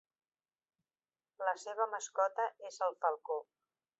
La seva mascota és el falcó.